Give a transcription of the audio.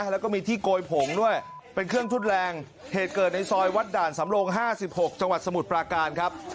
แล้วก็มีที่โกยผงด้วยเป็นเครื่องทดแรงเหตุเกิดในซอยวัดด่านสำโลง๕๖จังหวัดสมุทรปราการครับ